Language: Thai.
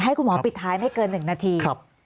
คุณหมอปิดท้ายไม่เกิน๑นาที